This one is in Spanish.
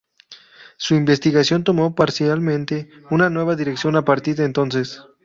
Su investigación tomó parcialmente una nueva dirección a partir de entonces.